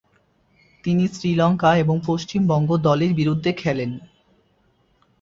তিনি শ্রীলঙ্কা এবং পশ্চিমবঙ্গ দলের বিরুদ্ধে খেলেন।